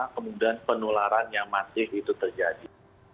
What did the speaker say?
kemudian penularan yang masif itu terjadi